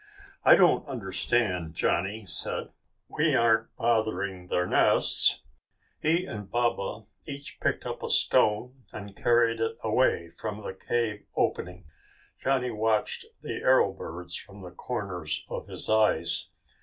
"I don't understand," Johnny said. "We aren't bothering their nests." He and Baba each picked up a stone and carried it away from the cave opening. Johnny watched the arrow birds from the corners of his eyes.